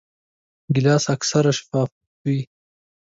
ګیلاس اکثره شفاف وي.